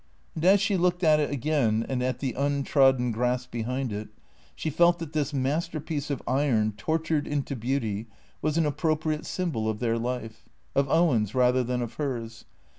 And as she looked at it again and at the untrodden grass behind it, she felt that this masterpiece of iron tortured into beauty was an appropriate symbol of their life. Of Owen's, rather than of hers.